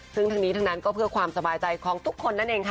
ซึ่งทั้งนี้ทั้งนั้นก็เพื่อความสบายใจของทุกคนนั่นเองค่ะ